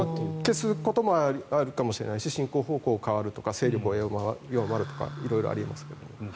消すこともあるかもしれないし進行方向が変わるとか勢力が弱まるとか色々ありますけど。